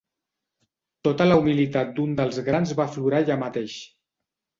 Tota la humilitat d'un dels grans va aflorar allà mateix.